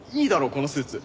このスーツ。